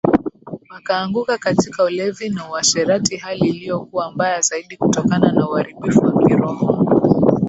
Wakaanguka katika ulevi na uasherati hali iliyokuwa mbaya zaidi kutokana na uharibifu wa kiroho